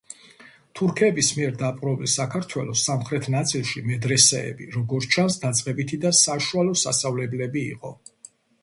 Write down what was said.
თურქების მიერ დაპყრობილ საქართველოს სამხრეთ ნაწილში მედრესეები, როგორც ჩანს, დაწყებითი და საშუალო სასწავლებლები იყო.